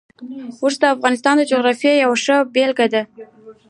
اوښ د افغانستان د جغرافیې یوه ښه بېلګه ده.